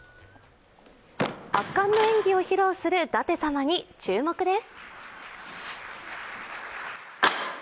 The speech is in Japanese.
圧巻の演技を披露する舘様に注目です。